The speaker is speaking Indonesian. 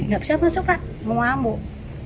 gak bisa masuk kah mau ngamuk